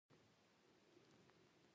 کچالو د نورو خوړو سره ښه ګډېږي